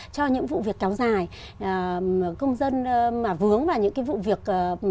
cho những vụ việc kéo dài công dân mà vướng vào những vụ việc